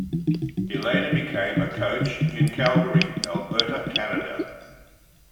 He later became a coach in Calgary, Alberta, Canada.